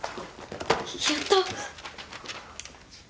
やった！